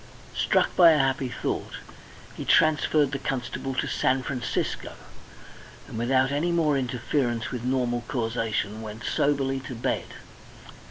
Struck by a happy thought he transferred the constable to San Francisco, and without any more interference with normal causation went soberly to bed.